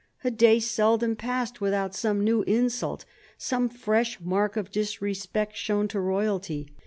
A day seldom passed without some new insult, some fresh mark of disrespect shown to Royalty.